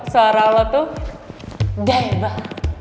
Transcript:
suara lo tuh daebah